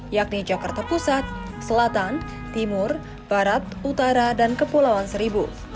yakni jakarta pusat selatan timur barat utara dan kepulauan seribu